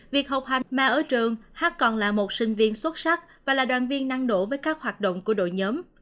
việc học hạch mà ở trường hát còn là một sinh viên xuất sắc và là đoàn viên năng nổ với các hoạt động của đội nhóm